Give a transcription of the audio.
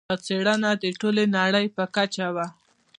دا څېړنه د ټولې نړۍ په کچه وه.